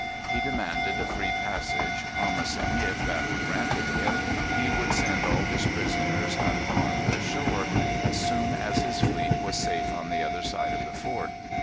He demanded a free passage, promising, if that were granted him, he would send all his prisoners unharmed ashore, as soon as his fleet was safe on the other side of the fort.